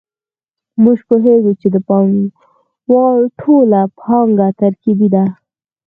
موږ پوهېږو چې د پانګوال ټوله پانګه ترکیبي ده